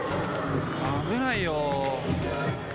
危ないよ。